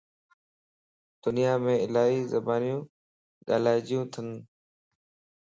دنيا مَ الائي زبانيون ڳالھائيجھنتيون